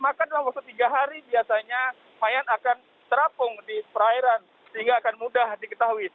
maka dalam waktu tiga hari biasanya mayan akan terapung di perairan sehingga akan mudah diketahui